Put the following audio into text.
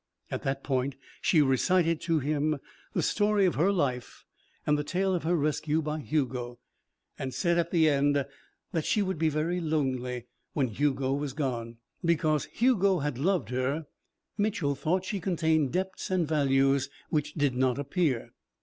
At that point, she recited to him the story of her life and the tale of her rescue by Hugo and said at the end that she would be very lonely when Hugo was gone. Because Hugo had loved her, Mitchel thought she contained depths and values which did not appear.